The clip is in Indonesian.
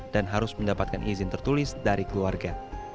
dan harus mendapatkan izin tertulis dari keluarga